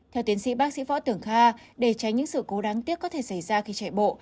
theo tiến sĩ bác sĩ võ tưởng kha để tránh những sự cố đáng tiếc có thể xảy ra khi chạy bộ